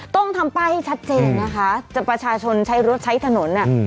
ต้องทำป้ายให้ชัดเจนนะคะจะประชาชนใช้รถใช้ถนน